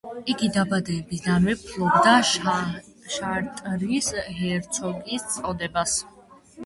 იგი დაბადებიდანვე ფლობდა შარტრის ჰერცოგის წოდებას.